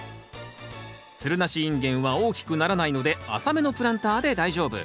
つるなしインゲンは大きくならないので浅めのプランターで大丈夫。